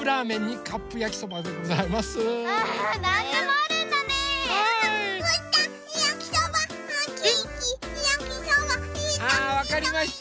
あわかりました。